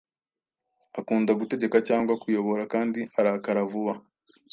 akunda gutegeka cyangwa kuyobora kandi arakara vuba.